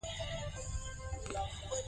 پېیر کوري د ماري څېړنو ته بشپړ توجه ورکړه.